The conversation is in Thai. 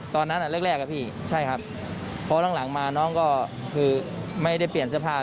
ตอนนั้นแรกนะพี่เพราะหลังมาน้องก็ไม่ได้เปลี่ยนเสื้อผ้าเลย